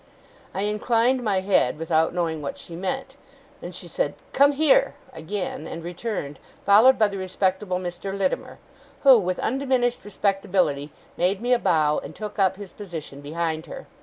I inclined my head, without knowing what she meant; and she said, 'Come here!' again; and returned, followed by the respectable Mr. Littimer, who, with undiminished respectability, made me a bow, and took up his position behind her.